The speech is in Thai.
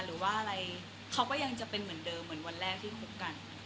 หรือว่าอะไรเขาก็ยังจะเป็นเหมือนเดิมเหมือนวันแรกที่คบกัน